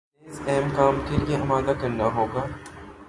انہیں اس اہم کام کے لیے آمادہ کرنا ہو گا